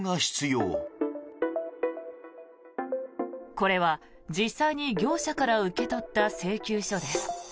これは、実際に業者から受け取った請求書です。